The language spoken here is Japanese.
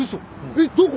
えっどこ？